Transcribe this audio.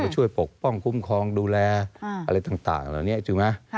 ช่วยปกป้องคุ้มคลองดูแลอะไรต่างอะไรแบบนี้จริงไหม